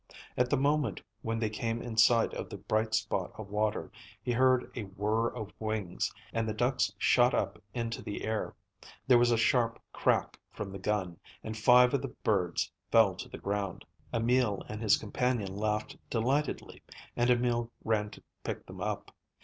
At the moment when they came in sight of the bright spot of water, he heard a whirr of wings and the ducks shot up into the air. There was a sharp crack from the gun, and five of the birds fell to the ground. Emil and his companion laughed delightedly, and Emil ran to pick them up.